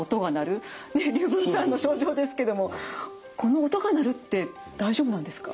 龍文さんの症状ですけどもこの「音が鳴る」って大丈夫なんですか？